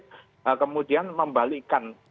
eee kemudian membalikan